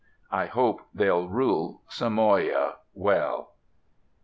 I hope they'll rule Samoa well.